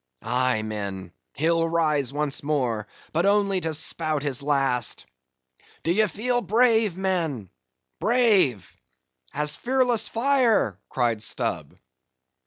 Aye, men, he'll rise once more,—but only to spout his last! D'ye feel brave men, brave?" "As fearless fire," cried Stubb.